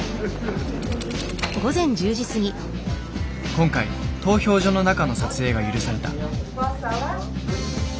今回投票所の中の撮影が許された。